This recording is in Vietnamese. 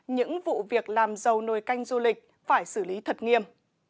những vụ việc làm giàu nồi canh du lịch phải xử lý thật nghiêm